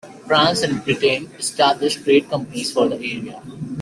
France and Britain established trade companies for the area.